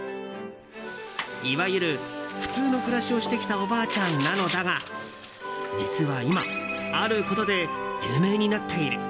いわゆる普通の暮らしをしてきたおばあちゃんなのだが実は今、あることで有名になっている。